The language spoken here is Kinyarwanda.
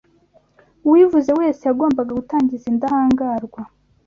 uwivuze wese yagombaga gutangiza indahangarwa